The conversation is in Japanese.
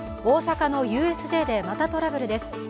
大阪のＵＳＪでまたトラブルです。